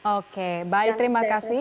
oke baik terima kasih